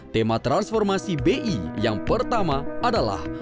tema transformasi bi yang pertama adalah